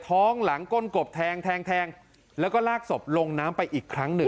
ท้องหลังก้นกบแทงแทงแล้วก็ลากศพลงน้ำไปอีกครั้งหนึ่ง